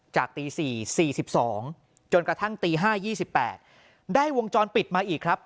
ตี๔๔๒จนกระทั่งตี๕๒๘ได้วงจรปิดมาอีกครับ